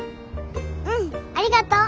うんありがとう。